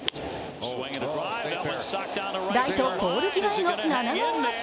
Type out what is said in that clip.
ライトポール際への７号アーチ。